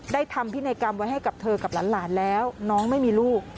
ทำพินัยกรรมไว้ให้กับเธอกับหลานแล้วน้องไม่มีลูก